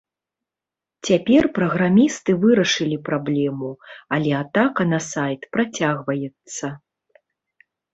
Цяпер праграмісты вырашылі праблему, але атака на сайт працягваецца.